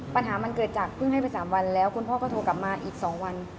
ปัญหามันเกิดจากเพิ่งให้ไป๓วันแล้วคุณพ่อก็โทรกลับมาอีก๒วัน